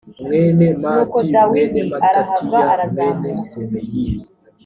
nuko dawidi arahava arazamuka